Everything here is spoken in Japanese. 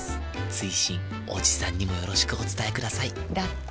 追伸おじさんにもよろしくお伝えくださいだって。